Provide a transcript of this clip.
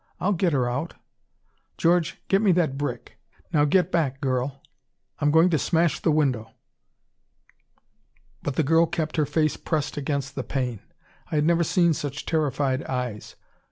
I'll get her out. George, get me that brick.... Now, get back, girl I'm going to smash the window." But the girl kept her face pressed against the pane. I had never seen such terrified eyes.